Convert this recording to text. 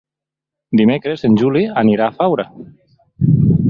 Dimecres en Juli anirà a Faura.